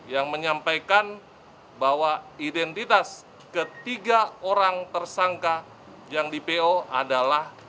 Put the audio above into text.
yang menyampaikan bahwa identitas ketiga orang tersangka yang di po adalah